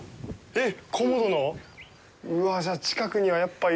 えっ？